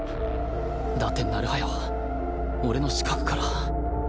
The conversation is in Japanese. だって成早は俺の死角から